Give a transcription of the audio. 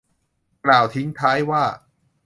กล่าวทิ้งท้ายว่า